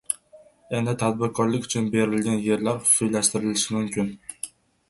Endi tadbirkorlik uchun berilgan yerlar xususiylashtirilishi mumkin